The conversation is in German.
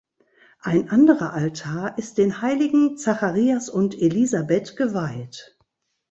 Ein anderer Altar ist den Heiligen Zacharias und Elisabet geweiht.